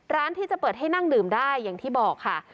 ร้านที่จะเปิดให้นั่งดื่มได้อย่างที่บอกค่ะ